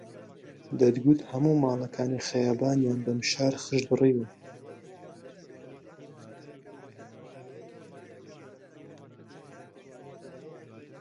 دەتگوت هەموو ماڵەکانی خەیابانیان بە مشار خشت بڕیوە